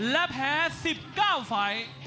และแพ้๑๙ไฟล์